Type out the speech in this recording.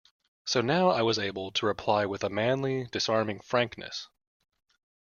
So now I was able to reply with a manly, disarming frankness.